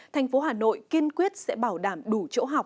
thành phố hà nội kiên quyết sẽ bảo đảm đủ